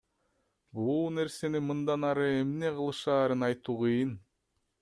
Бул нерсени мындан ары эмне кылышаарын айтуу кыйын.